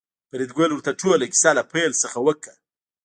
فریدګل ورته ټوله کیسه له پیل څخه وکړه